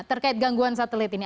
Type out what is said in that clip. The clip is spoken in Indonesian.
terkait gangguan satelit ini